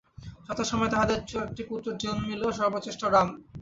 যথাসময়ে তাঁহাদের চারটি পুত্র জন্মিল, সর্বজ্যেষ্ঠ রাম।